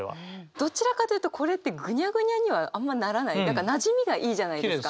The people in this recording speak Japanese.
どちらかというとこれってぐにゃぐにゃにはあんまならない何かなじみがいいじゃないですか。